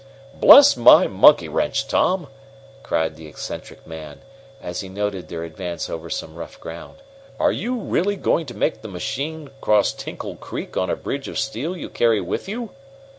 "Bless my monkey wrench, Tom!" cried the eccentric man, as he noted their advance over some rough ground, "are you really going to make this machine cross Tinkle Creek on a bridge of steel you carry with you?"